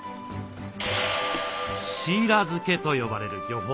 「シイラ漬け」と呼ばれる漁法。